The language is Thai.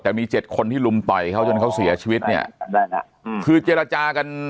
แต่มี๗คนที่ลุมไปเขาจนเขาเสียชีวิตเนี่ยคือเจรจากัน